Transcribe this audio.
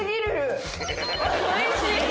おいしい！